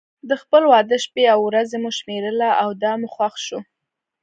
د خپل واده شپې او ورځې مو شمېرله او دا مو خوښ و.